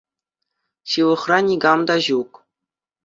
Ҫывӑхра никам та ҫук.